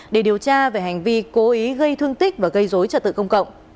để điều tra về hành vi cố ý gây thương tích và gây dối trật tự công cộng